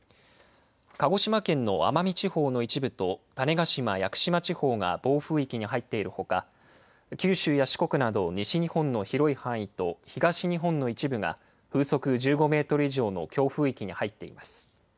鹿児島県の奄美地方の一部と、種子島・屋久島地方が暴風域に入っているほか、九州や四国など、西日本の広い範囲と東日本の一部が風速１５メートル以上の強風域に入っています。